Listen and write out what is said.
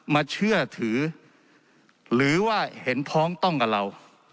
มาเชื่อถือหรือว่าเห็นพ้องต้องกับเรา